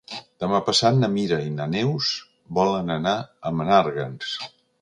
Demà passat na Mira i na Neus volen anar a Menàrguens.